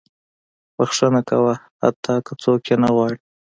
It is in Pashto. • بښنه کوه، حتی که څوک یې نه غواړي.